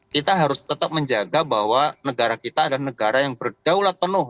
kita harus tetap menjaga bahwa negara kita adalah negara yang berdaulat penuh